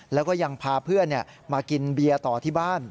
แล้วก็ยังพาเพื่อนมากินเบียร์ต่อที่บ้าน